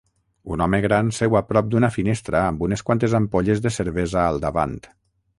Un home gran seu a prop d'una finestra amb unes quantes ampolles de cervesa al davant.